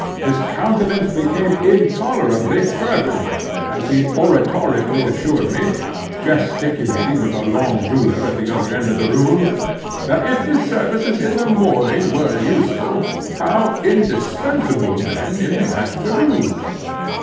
His countenance became intolerably fervid, as he oratorically assured me—gesticulating with a long ruler at the other end of the room—that if his services in the morning were useful, how indispensable, then, in the afternoon?